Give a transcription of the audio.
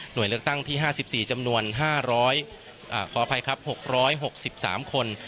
หน่วยเลือกตั้งที่ห้าสิบสี่จำนวนห้าร้อยอ่าขออภัยครับหกร้อยหกสิบสามคน